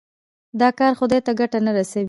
دا کار خدای ته ګټه نه رسوي.